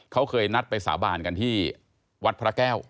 เขาเคยนัดไปสาบานกันที่วัดพระแก้ว